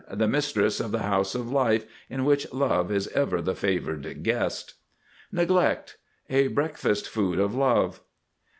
The mistress of the House of Life, in which Love is ever the favored guest. NEGLECT. A breakfast food of Love.